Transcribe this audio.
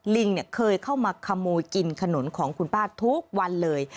ลิงเคยเข้ามาขโมยกินขนุนของคุณป้าทุกวันเลย